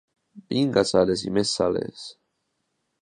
Vinga sales i més sales!